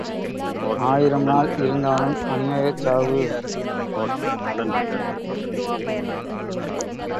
ஆயிரம் நாள் இருந்தாலும் அநியாயச் சாவு.